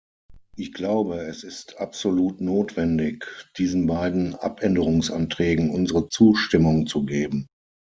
Ich glaube, es ist absolut notwendig, diesen beiden Abänderungsanträgen unsere Zustimmung zu geben.